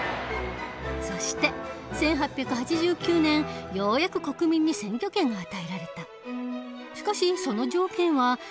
そして１８８９年ようやく国民に選挙権が与えられた。